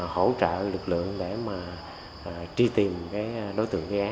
hỗ trợ lực lượng để mà tri tìm đối tượng nghi án